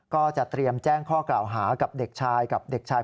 ก็จะเตรียมแจ้งข้อกล่าวหากับเด็กชาย